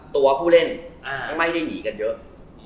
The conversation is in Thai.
ตัวผู้เล่นไม่ได้หนีกันเยอะ